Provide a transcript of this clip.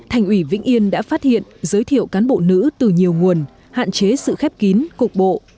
thành ủy vĩnh yên đã phát hiện giới thiệu cán bộ nữ từ nhiều nguồn hạn chế sự khép kín cục bộ